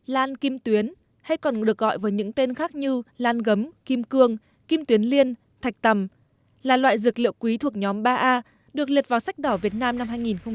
lan kim tuyến hay còn được gọi vào những tên khác như lan gấm kim cương kim tuyến liên thạch tầm là loại dược liệu quý thuộc nhóm ba a được liệt vào sách đỏ việt nam năm hai nghìn một mươi